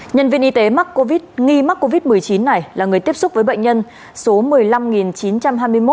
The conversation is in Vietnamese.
nhân viên y tế mắc covid nghi mắc covid một mươi chín này là người tiếp xúc với bệnh nhân số một mươi năm chín trăm hai mươi một